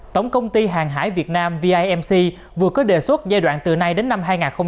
tổng công ty hàng hải việt nam vimc vừa có đề xuất giai đoạn từ nay đến năm hai nghìn hai mươi